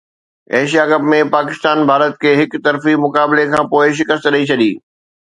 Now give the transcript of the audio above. Asia cup ۾ Pakistan Bharat کي هڪ طرفي مقابلي کانپوءِ شڪست ڏئي ڇڏي